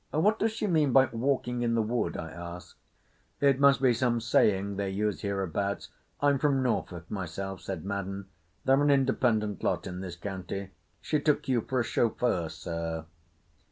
"What does she mean by 'walking in the wood'?" I asked. "It must be some saying they use hereabouts. I'm from Norfolk myself," said Madden. "They're an independent lot in this county. She took you for a chauffeur, Sir."